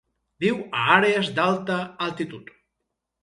Viu a àrees d'alta altitud.